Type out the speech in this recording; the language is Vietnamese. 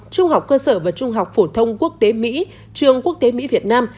trung học cơ sở và trung học phổ thông quốc tế mỹ trường quốc tế mỹ việt nam